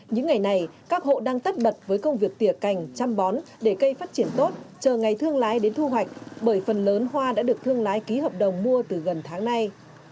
những ngày này các hộ đang tất bật với công việc tỉa cành chăm bón để cây phát triển tốt chờ ngày thương lái đến thu hoạch bởi phần lớn hoa đã được thương lái ký hợp đồng mua từ gần tháng nay